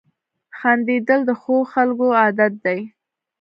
• خندېدل د ښو خلکو عادت دی.